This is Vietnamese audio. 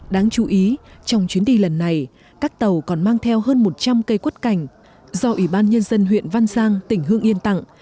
đáng chú ý trong chuyến đi lần này các tàu còn mang theo hơn một trăm linh cây quất cảnh do ủy ban nhân dân huyện văn giang tỉnh hương yên tặng